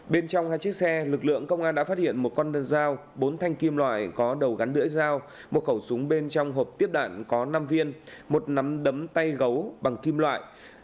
bên trong hai chiếc xe lực lượng công an đã phát hiện một con đơn dao bốn thanh kim loại có đầu gắn đưỡi dao một khẩu súng bên trong hộp tiếp đạn có năm viên một nắm đấm tay gấu bằng kim loại